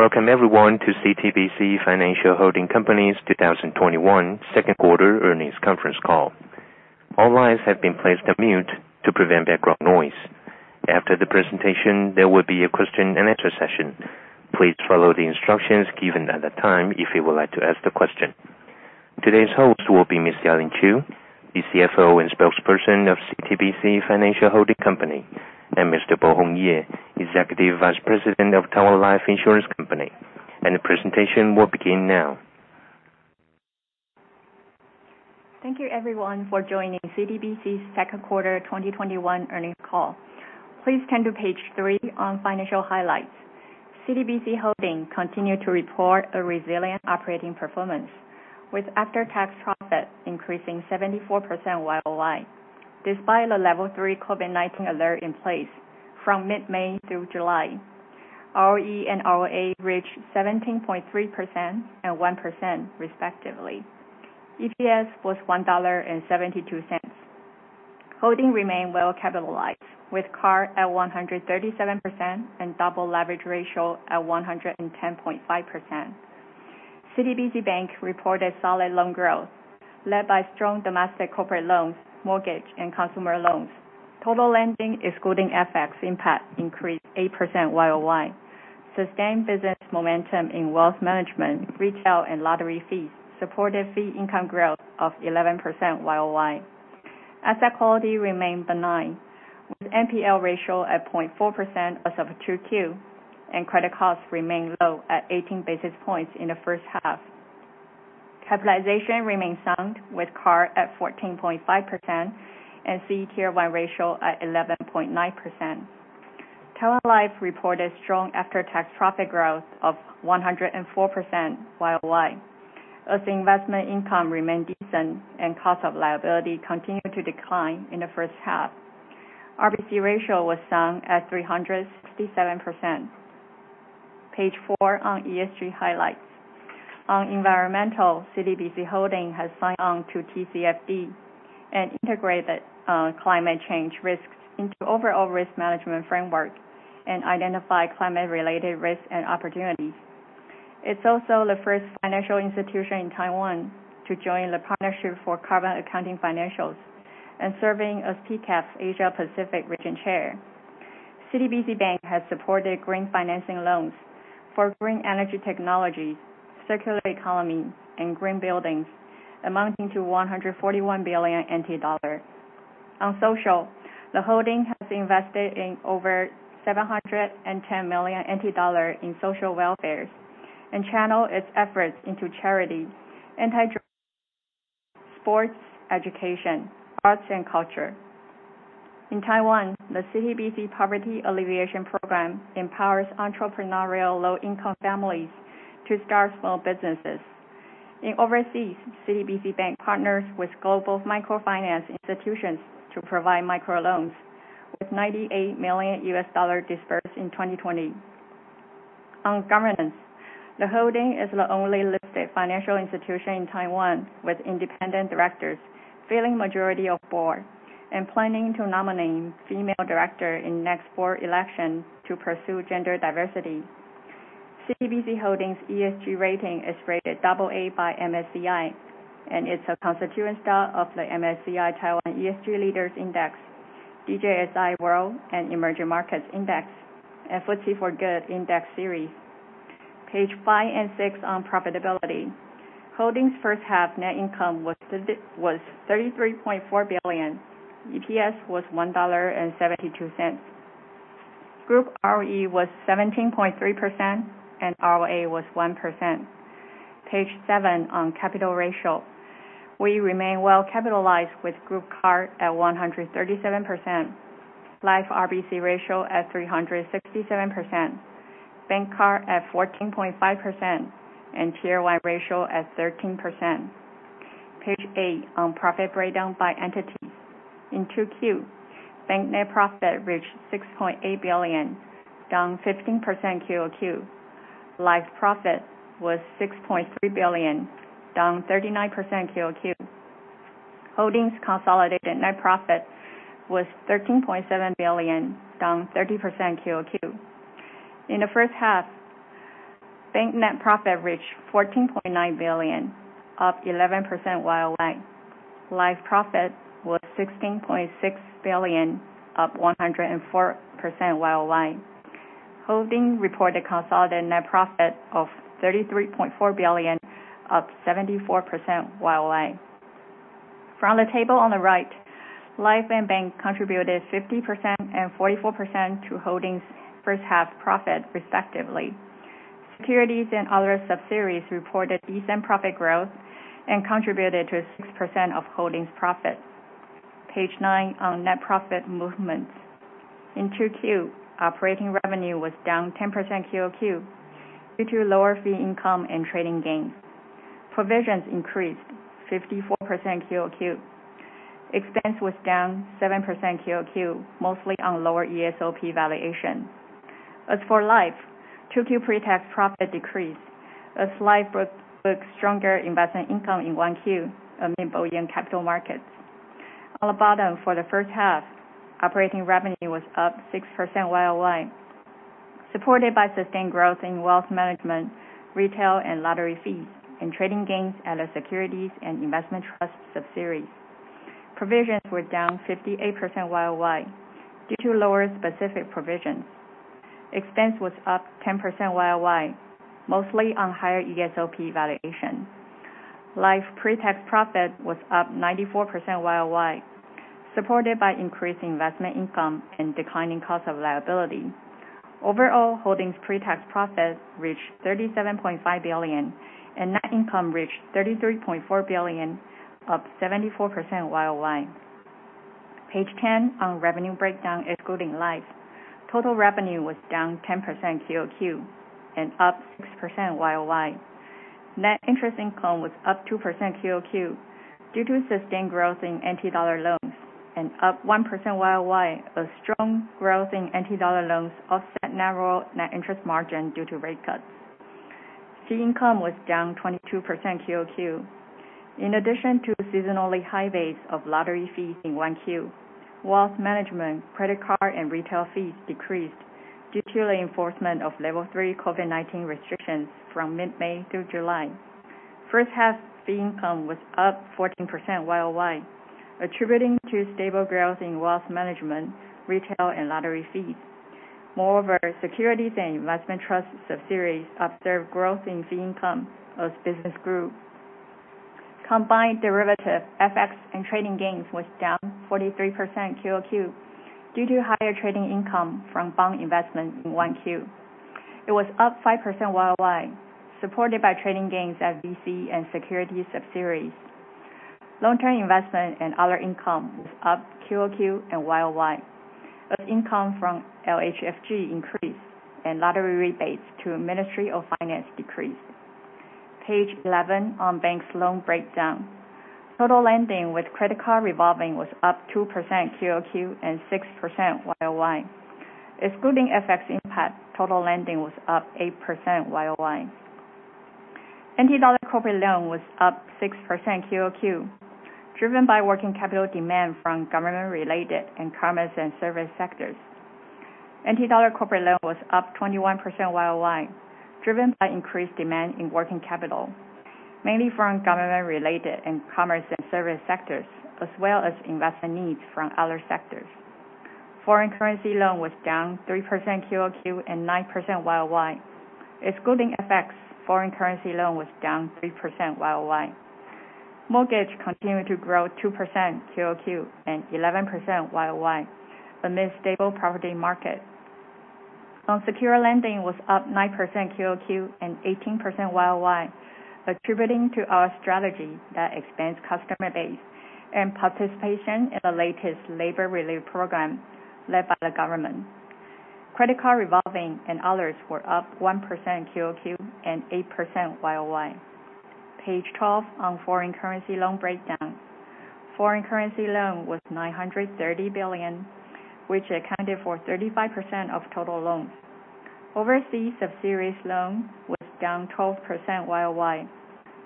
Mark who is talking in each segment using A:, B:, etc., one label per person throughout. A: Welcome everyone to CTBC Financial Holding Company's 2021 second quarter earnings conference call. All lines have been placed on mute to prevent background noise. After the presentation, there will be a question and answer session. Please follow the instructions given at that time if you would like to ask the question. Today's host will be Ms. Yeling Chu, the CFO and Spokesperson of CTBC Financial Holding Company, and Mr. Bohong Ye, Executive Vice President of Taiwan Life Insurance Company. The presentation will begin now.
B: Thank you everyone for joining CTBC's second quarter 2021 earnings call. Please turn to page three on financial highlights. CTBC Holding continued to report a resilient operating performance, with after-tax profit increasing 74% YOY despite a level 3 COVID-19 alert in place from mid-May through July. ROE and ROA reached 17.3% and 1% respectively. EPS was NT$ 1.72. Holding remain well capitalized, with CAR at 137% and double leverage ratio at 110.5%. CTBC Bank reported solid loan growth led by strong domestic corporate loans, mortgage, and consumer loans. Total lending, excluding FX impact, increased 8% YOY. Sustained business momentum in wealth management, retail, and lottery fees supported fee income growth of 11% YOY. Asset quality remained benign, with NPL ratio at 0.4% as of Q2, and credit costs remained low at 18 basis points in the first half. Capitalization remains sound, with CAR at 14.5% and CET1 ratio at 11.9%. Taiwan Life reported strong after-tax profit growth of 104% YOY, as investment income remained decent and cost of liability continued to decline in the first half. RBC ratio was strong at 367%. Page four on ESG highlights. On environmental, CTBC Holding has signed on to TCFD and integrated climate change risks into overall risk management framework, and identify climate-related risk and opportunities. It's also the first financial institution in Taiwan to join the Partnership for Carbon Accounting Financials, and serving as PCAF's Asia Pacific region chair. CTBC Bank has supported green financing loans for green energy technology, circular economy, and green buildings amounting to NT$ 141 billion. On social, the holding has invested in over NT$ 710 million in social welfare and channel its efforts into charity, anti-drug, sports, education, arts, and culture. In Taiwan, the CTBC Poverty Alleviation Program empowers entrepreneurial low-income families to start small businesses. In overseas, CTBC Bank partners with global microfinance institutions to provide microloans with $98 million US dollars disbursed in 2020. On governance, the holding is the only listed financial institution in Taiwan with independent directors filling majority of board and planning to nominate female director in next board election to pursue gender diversity. CTBC Holding's ESG rating is rated double A by MSCI, and it's a constituent stock of the MSCI Taiwan ESG Leaders Index, DJSI World and Emerging Markets Index, and FTSE4Good Index Series. Page five and six on profitability. Holding's first half net income was NT$ 33.4 billion. EPS was NT$ 1.72. Group ROE was 17.3%, and ROA was 1%. Page seven on capital ratio. We remain well capitalized with group CAR at 137%, Life RBC ratio at 367%, Bank CAR at 14.5%, and Tier 1 ratio at 13%. Page eight on profit breakdown by entity. In Q2, bank net profit reached 6.8 billion, down 15% QOQ. Life profit was 6.3 billion, down 39% QOQ. Holding's consolidated net profit was 13.7 billion, down 30% QOQ. In the first half, bank net profit reached 14.9 billion, up 11% YOY. Life profit was 16.6 billion, up 104% YOY. Holding reported consolidated net profit of 33.4 billion, up 74% YOY. From the table on the right, Life and Bank contributed 50% and 44% to Holding's first half profit, respectively. Securities and other subsidiaries reported decent profit growth and contributed to 6% of Holding's profit. Page nine on net profit movements. In Q2, operating revenue was down 10% QOQ due to lower fee income and trading gains. Provisions increased 54% QOQ. Expense was down 7% QOQ, mostly on lower ESOP valuation. As for Life, Q2 pre-tax profit decreased as Life booked stronger investment income in 1Q, amounting to buoyant capital markets. On the bottom for the first half, operating revenue was up 6% YOY, supported by sustained growth in wealth management, retail, and lottery fees, and trading gains at the securities and investment trust subsidiaries. Provisions were down 58% YOY due to lower specific provisions. Expense was up 10% YOY, mostly on higher ESOP valuation. Life pre-tax profit was up 94% YOY, supported by increased investment income and declining cost of liability. Overall, Holding's pre-tax profit reached 37.5 billion, and net income reached 33.4 billion, up 74% YOY. Page 10, on revenue breakdown excluding Life. Total revenue was down 10% QOQ and up 6% YOY. Net interest income was up 2% QOQ due to sustained growth in NT dollar loans and up 1% YOY as strong growth in NT dollar loans offset narrow net interest margin due to rate cuts. Fee income was down 22% QOQ. In addition to seasonally high rates of lottery fees in 1Q, wealth management, credit card, and retail fees decreased due to the enforcement of level 3 COVID-19 restrictions from mid-May through July. First half fee income was up 14% YOY, attributing to stable growth in wealth management, retail, and lottery fees. Moreover, securities and investment trust subsidiaries observed growth in fee income as business grew. Combined derivative FX and trading gains was down 43% QOQ due to higher trading income from bond investment in 1Q. It was up 5% YOY, supported by trading gains at VC and securities subsidiaries. Long-term investment and other income was up QOQ and YOY, as income from LHFG increased and lottery rebates to Ministry of Finance decreased. Page 11 on banks loan breakdown. Total lending with credit card revolving was up 2% QOQ and 6% YOY. Excluding FX impact, total lending was up 8% YOY. NT dollar corporate loan was up 6% QOQ, driven by working capital demand from government-related and commerce and service sectors. NT dollar corporate loan was up 21% YOY, driven by increased demand in working capital, mainly from government-related and commerce and service sectors, as well as investment needs from other sectors. Foreign currency loan was down 3% QOQ and 9% YOY. Excluding FX, foreign currency loan was down 3% YOY. Mortgage continued to grow 2% QOQ and 11% YOY amidst stable property market. On secure lending was up 9% QOQ and 18% YOY, attributing to our strategy that expands customer base and participation in the latest labor relief program led by the government. Credit card revolving and others were up 1% QOQ and 8% YOY. Page 12 on foreign currency loan breakdown. Foreign currency loan was 930 billion, which accounted for 35% of total loans. Overseas subsidiaries loan was down 12% YOY.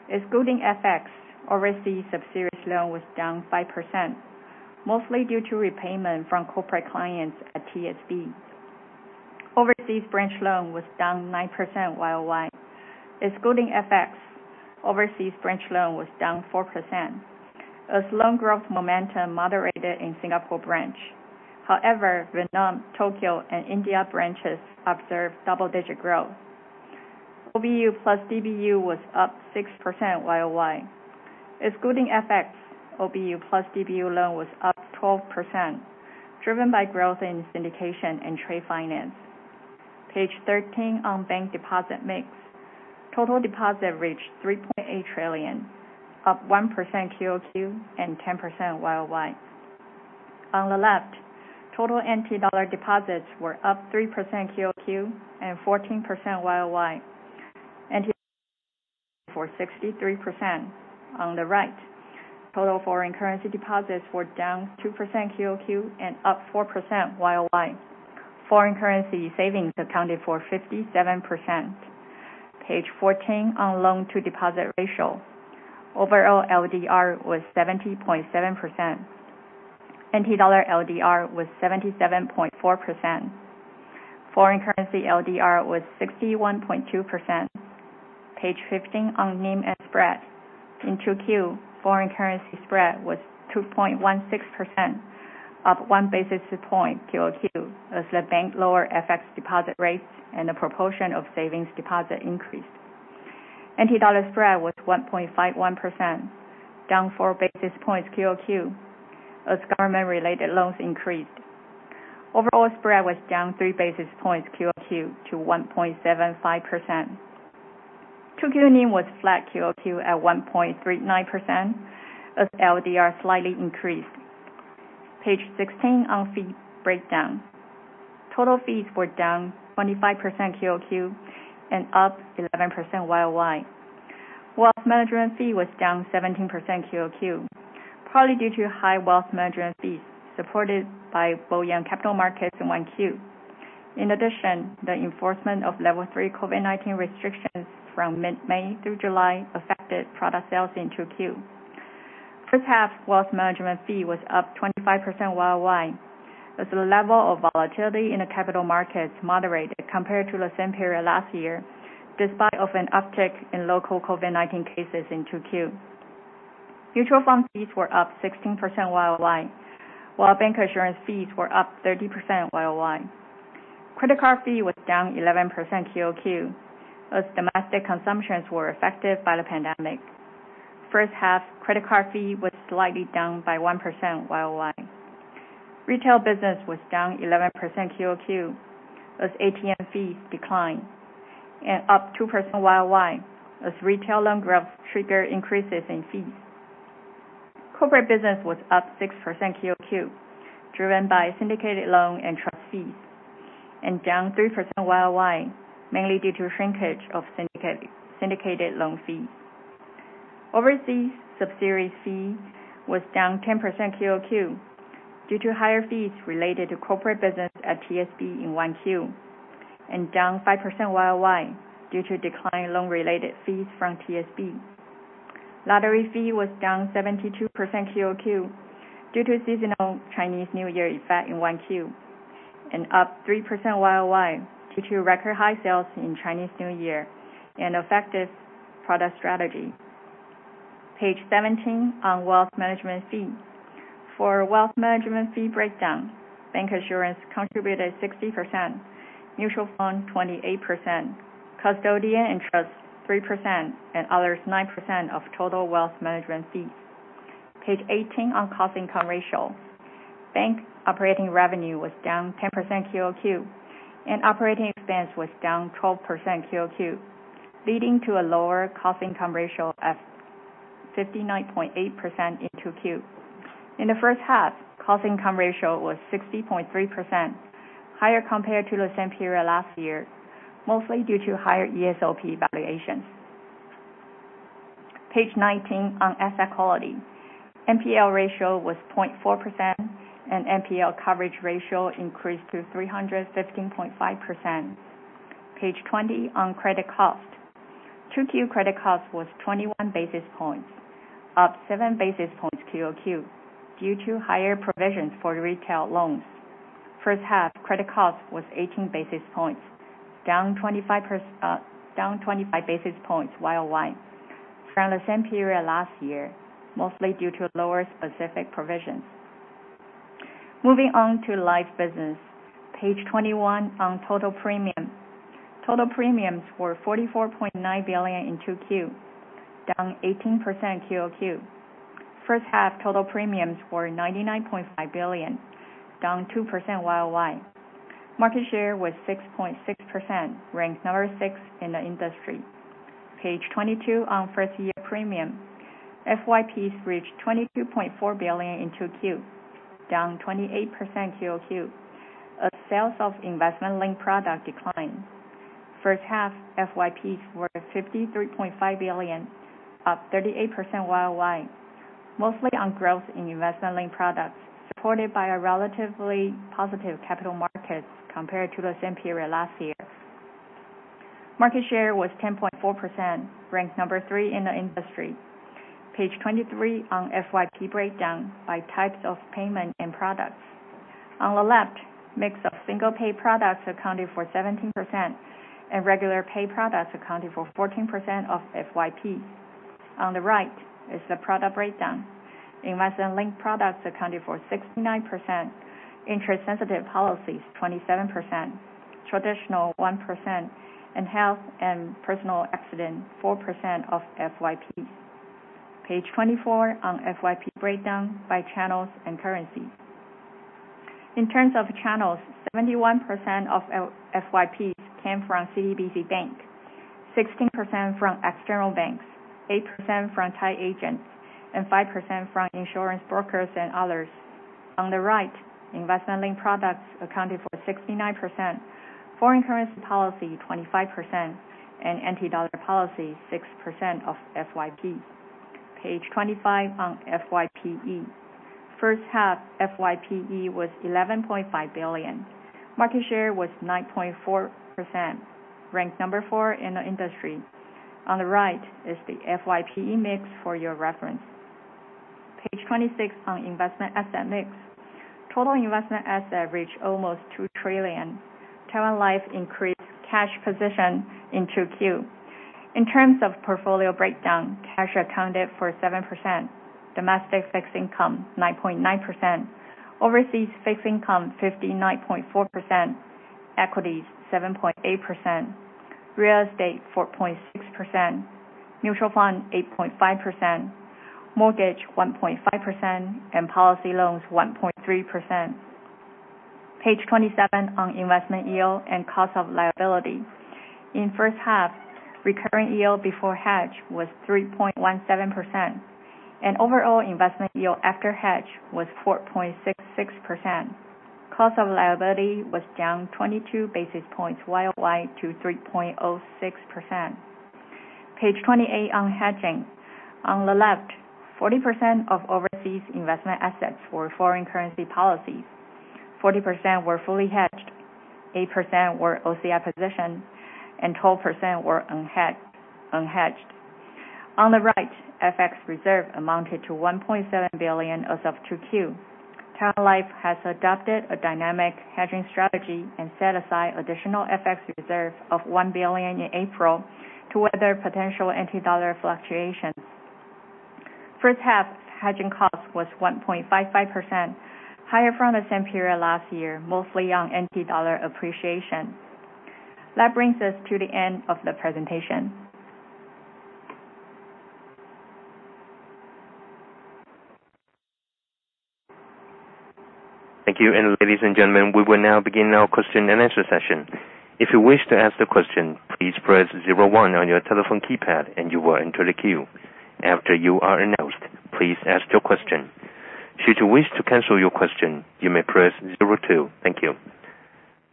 B: Excluding FX, overseas subsidiaries loan was down 5%, mostly due to repayment from corporate clients at THB. Overseas branch loan was down 9% YOY. Excluding FX, overseas branch loan was down 4%, as loan growth momentum moderated in Singapore branch. However, Vietnam, Tokyo, and India branches observed double-digit growth. OBU plus DBU was up 6% YOY. Excluding FX, OBU plus DBU loan was up 12%, driven by growth in syndication and trade finance. Page 13 on bank deposit mix. Total deposit reached 3.8 trillion, up 1% QOQ and 10% YOY. On the left, total NT dollar deposits were up 3% QOQ and 14% YOY, and for 63%. On the right, total foreign currency deposits were down 2% QOQ and up 4% YOY. Foreign currency savings accounted for 57%. Page 14 on loan-to-deposit ratio. Overall, LDR was 70.7%. NT dollar LDR was 77.4%. Foreign currency LDR was 61.2%. Page 15 on NIM and spread. In 2Q, foreign currency spread was 2.16%, up one basis point QOQ as the bank lowered FX deposit rates and the proportion of savings deposit increased. NT dollar spread was 1.51%, down four basis points QOQ as government-related loans increased. Overall spread was down three basis points QOQ to 1.75%. 2Q NIM was flat QOQ at 1.39% as LDR slightly increased. Page 16 on fee breakdown. Total fees were down 25% QOQ and up 11% YOY. Wealth management fee was down 17% QOQ, partly due to high wealth management fees supported by buoyant capital markets in 1Q. In addition, the enforcement of level 3 COVID-19 restrictions from mid-May through July affected product sales in 2Q. First half, wealth management fee was up 25% YOY, as the level of volatility in the capital markets moderated compared to the same period last year, despite of an uptick in local COVID-19 cases in 2Q. Mutual fund fees were up 16% YOY, while bank assurance fees were up 30% YOY. Credit card fee was down 11% QOQ as domestic consumptions were affected by the pandemic. First half, credit card fee was slightly down by 1% YOY. Retail business was down 11% QOQ as ATM fees declined, and up 2% YOY as retail loan growth triggered increases in fees. Corporate business was up 6% QOQ, driven by syndicated loan and trust fees, and down 3% YOY, mainly due to shrinkage of syndicated loan fees. Overseas subsidiaries fee was down 10% QOQ due to higher fees related to corporate business at TSB in 1Q, and down 5% YOY due to declining loan-related fees from TSB. Lottery fee was down 72% QOQ due to seasonal Chinese New Year effect in 1Q, and up 3% YOY due to record high sales in Chinese New Year and effective product strategy. Page 17 on wealth management fee. For wealth management fee breakdown, bank assurance contributed 60%, mutual fund 28%, custodian and trust 3%, and others 9% of total wealth management fees. Page 18 on cost income ratio. Bank operating revenue was down 10% QOQ, and operating expense was down 12% QOQ, leading to a lower cost income ratio of 59.8% in 2Q. In the first half, cost income ratio was 60.3%, higher compared to the same period last year, mostly due to higher ESOP valuations. Page 19 on asset quality. NPL ratio was 0.4%, and NPL coverage ratio increased to 315.5%. Page 20 on credit cost. 2Q credit cost was 21 basis points, up seven basis points quarter-over-quarter due to higher provisions for retail loans. First half credit cost was 18 basis points, down 25 basis points year-over-year from the same period last year, mostly due to lower specific provisions. Moving on to life business. Page 21 on total premium. Total premiums were TWD 44.9 billion in 2Q, down 18% quarter-over-quarter. First half total premiums were TWD 99.5 billion, down 2% year-over-year. Market share was 6.6%, ranked number six in the industry. Page 22 on first year premium. FYPs reached 22.4 billion in 2Q, down 28% quarter-over-quarter as sales of investment-linked product declined. First half FYPs were 53.5 billion, up 38% year-over-year, mostly on growth in investment-linked products, supported by relatively positive capital markets compared to the same period last year. Market share was 10.4%, ranked number three in the industry. Page 23 on FYP breakdown by types of payment and products. On the left, mix of single-pay products accounted for 17%, and regular-pay products accounted for 14% of FYP. On the right is the product breakdown. Investment-linked products accounted for 69%, interest-sensitive policies 27%, traditional 1%, and health and personal accident 4% of FYPs. Page 24 on FYP breakdown by channels and currency. In terms of channels, 71% of FYPs came from CTBC Bank, 16% from external banks, 8% from tied agents, and 5% from insurance brokers and others. On the right, investment-linked products accounted for 69%, foreign currency policy 25%, and NT dollar policy 6% of FYP. Page 25 on FYPE. First half FYPE was 11.5 billion. Market share was 9.4%, ranked number four in the industry. On the right is the FYPE mix for your reference. Page 26 on investment asset mix. Total investment asset reached almost 2 trillion. Taiwan Life increased cash position in 2Q. In terms of portfolio breakdown, cash accounted for 7%, domestic fixed income 9.9%, overseas fixed income 59.4%, equities 7.8%, real estate 4.6%, mutual fund 8.5%, mortgage 1.5%, and policy loans 1.3%. Page 27 on investment yield and cost of liability. In the first half, recurring yield before hedge was 3.17%, and overall investment yield after hedge was 4.66%. Cost of liability was down 22 basis points year-over-year to 3.06%. Page 28 on hedging. On the left, 40% of overseas investment assets were foreign currency policies, 40% were fully hedged, 8% were OCI position, and 12% were unhedged. On the right, FX reserve amounted to 1.7 billion as of 2Q. Taiwan Life has adopted a dynamic hedging strategy and set aside additional FX reserve of 1 billion in April to other potential NT dollar fluctuations. First half's hedging cost was 1.55%, higher from the same period last year, mostly on NT dollar appreciation. That brings us to the end of the presentation.
A: Ladies and gentlemen, we will now begin our question and answer session. If you wish to ask the question, please press 01 on your telephone keypad and you will enter the queue. After you are announced, please ask your question. Should you wish to cancel your question, you may press 02. Thank you.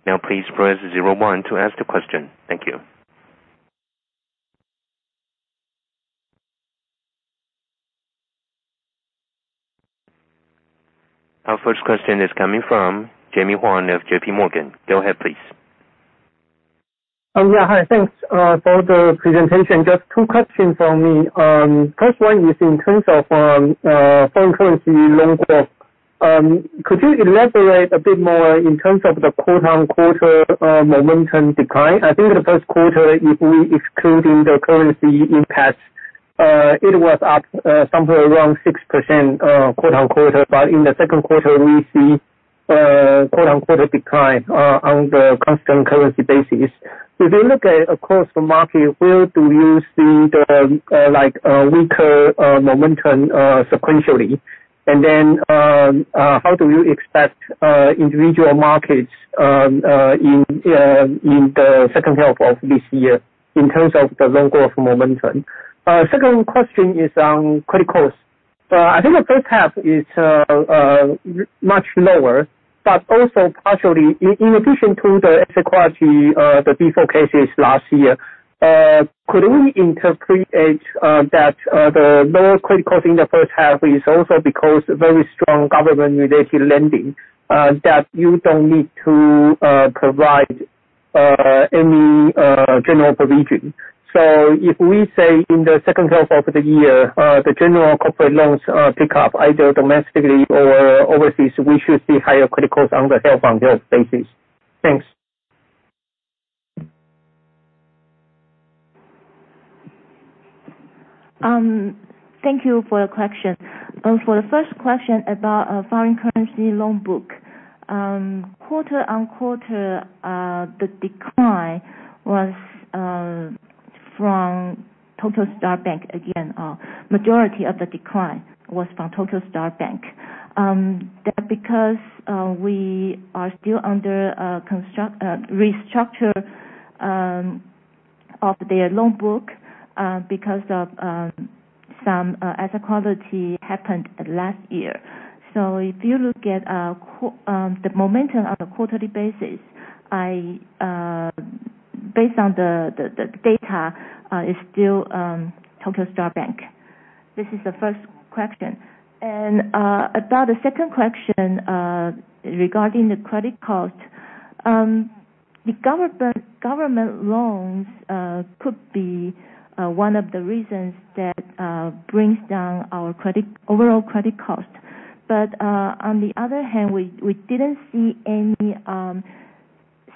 A: Now, please press 01 to ask the question. Thank you. Our first question is coming from Jamie Juan of JP Morgan. Go ahead, please.
C: Yeah. Hi. Thanks for the presentation. Just two questions from me. First one is in terms of foreign currency loan book. Could you elaborate a bit more in terms of the quarter-on-quarter momentum decline? I think in the first quarter, if we excluding the currency impact, it was up somewhere around 6% quarter-on-quarter. In the second quarter, we see quarter-on-quarter decline on the constant currency basis. If you look at across the market, where do you see the weaker momentum sequentially? How do you expect individual markets in the second half of this year in terms of the loan growth momentum? Second question is on credit cost. I think the first half is much lower, but also partially in addition to the asset quality, the default cases last year. Could we interpret that the lower credit cost in the first half is also because very strong government-related lending, that you don't need to provide any general provision? If we say in the second half of the year, the general corporate loans pick up either domestically or overseas, we should see higher credit cost on the year-on-year basis. Thanks.
B: Thank you for your question. For the first question about foreign currency loan book. Quarter-on-quarter, the decline was from Tokyo Star Bank. Again, majority of the decline was from Tokyo Star Bank. That because we are still under restructure of their loan book because of some asset quality happened last year. If you look at the momentum on a quarterly basis, based on the data, is still Tokyo Star Bank. This is the first question. About the second question regarding the credit cost. The government loans could be one of the reasons that brings down our overall credit cost. On the other hand, we didn't see any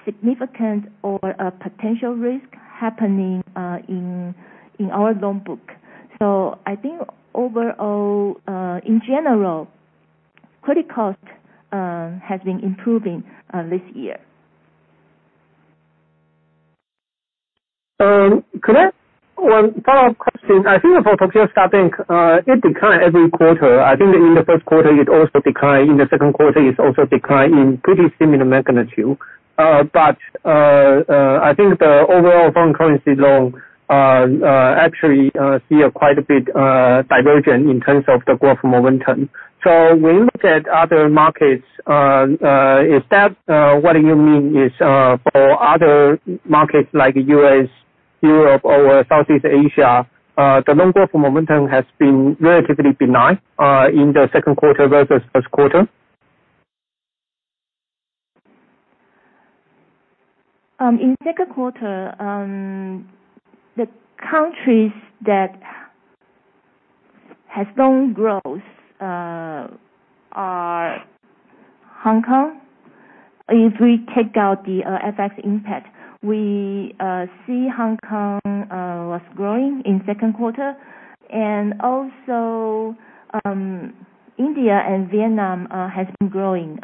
B: significant or potential risk happening in our loan book. I think overall, in general, credit cost has been improving this year.
C: Could I One follow-up question. I think for Tokyo Star Bank, it decline every quarter. I think in the first quarter it also decline, in the second quarter it also decline in pretty similar magnitude. I think the overall foreign currency loan actually see a quite a bit diversion in terms of the growth momentum. When you look at other markets, is that what you mean is for other markets like U.S., Europe or Southeast Asia, the loan growth momentum has been relatively benign in the second quarter versus first quarter?
B: In second quarter, the countries that has loan growth are Hong Kong. If we take out the FX impact, we see Hong Kong was growing in second quarter and also India and Vietnam has been growing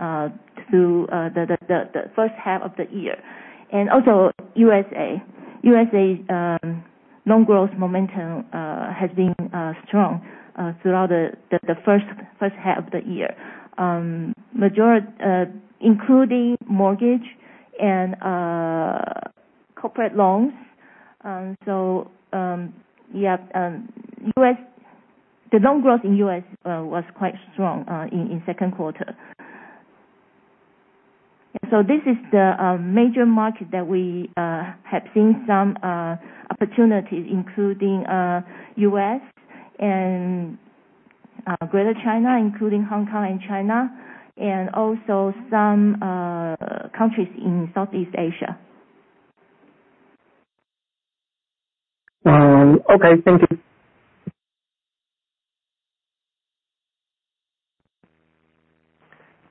B: through the first half of the year. Also U.S.A. U.S.A. loan growth momentum has been strong throughout the first half of the year. Including mortgage and corporate loans. Yeah, the loan growth in U.S. was quite strong in second quarter. This is the major market that we have seen some opportunities, including U.S. and Greater China, including Hong Kong and China, and also some countries in Southeast Asia.
C: Okay. Thank you.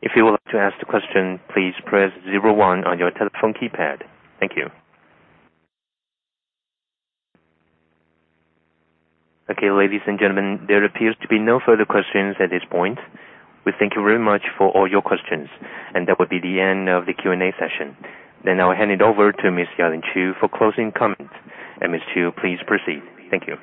A: If you would like to ask the question, please press 01 on your telephone keypad. Thank you. Okay, ladies and gentlemen, there appears to be no further questions at this point. We thank you very much for all your questions, and that would be the end of the Q&A session. I'll hand it over to Ms. Yaling Chu for closing comments. Ms. Chu, please proceed. Thank you.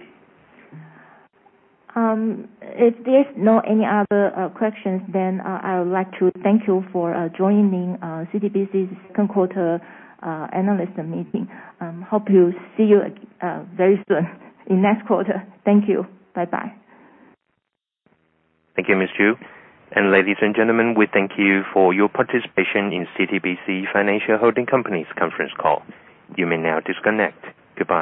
B: If there's no any other questions, I would like to thank you for joining CTBC's second quarter analyst meeting. Hope to see you very soon in next quarter. Thank you. Bye-bye.
A: Thank you, Ms. Chu. Ladies and gentlemen, we thank you for your participation in CTBC Financial Holding Company's conference call. You may now disconnect. Goodbye.